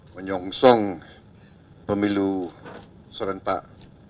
menyongsong pemilu serentak